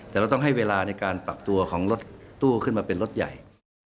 แต่เราต้องให้เวลาในการปรับตัวของรถตู้ขึ้นมาเป็นรถใหญ่